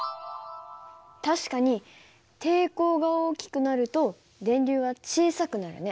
確かに抵抗が大きくなると電流は小さくなるね。